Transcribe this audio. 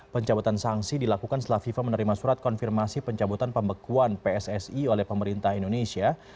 pencabutan sanksi dilakukan setelah fifa menerima surat konfirmasi pencabutan pembekuan pssi oleh pemerintah indonesia